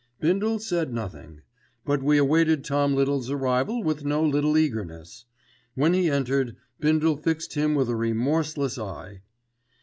Bindle said nothing; but we awaited Tom Little's arrival with no little eagerness. When he entered, Bindle fixed him with a remorseless eye.